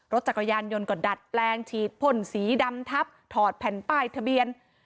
รถจักรยานยนต์ก็ดัดแปลงฉีดพ่นสีดำทับถอดแผ่นป้ายทะเบียน